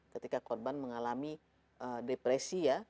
ketika korban mengalami depresi ya